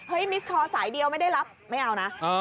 มิสคอร์สายเดียวไม่ได้รับไม่เอานะ